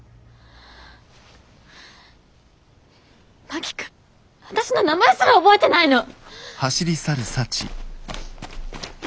真木君私の名前すら覚えてないの！？